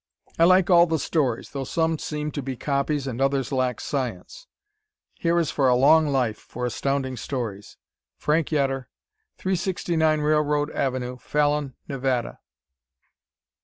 I like all the stories, though some seem to be copies, and others lack science. Here is for a long life for Astounding Stories! Frank Yetter, 369 Railroad Ave., Fallon, Nevada.